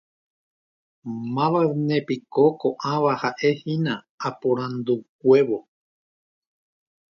Mávanepiko ko'ãva ha'e'aína apu'ãnguévo.